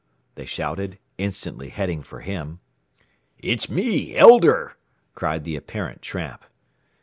they shouted, instantly heading for him. "It's me! Elder!" cried the apparent tramp.